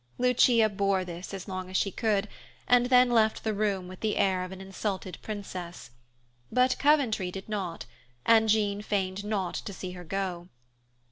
Lucia bore this as long as she could, and then left the room with the air of an insulted princess; but Coventry did not, and Jean feigned not to see her go.